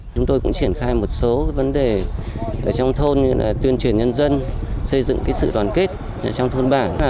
chúng tôi cũng triển khai một số vấn đề ở trong thôn như là tuyên truyền nhân dân xây dựng sự đoàn kết trong thôn bảng